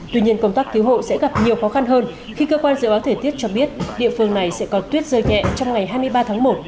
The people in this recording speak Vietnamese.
tuy nhiên công tác cứu hộ sẽ gặp nhiều khó khăn hơn khi cơ quan dự báo thể tiết cho biết địa phương này sẽ có tuyết rơi nhẹ trong ngày hai mươi ba tháng một